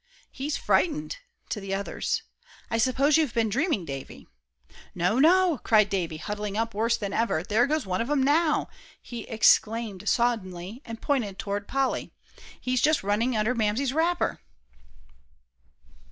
"He's frightened," to the others. "I s'pose you've been dreaming, Davie." "No, no!" cried Davie, huddling up worse than ever. "There goes one of 'em now!" he exclaimed suddenly, and pointed toward Polly; "he's just running under Mamsie's wrapper!"